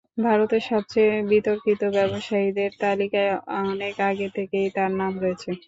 ভারতের সবচেয়ে বিতর্কিত ব্যবসায়ীদের তালিকায় অনেক আগে থেকেই তাঁর নাম রয়েছে।